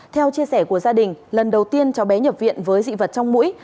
theo chia sẻ của gia đình lần đầu tiên cháu bé nhập viện với dị vật trong mũi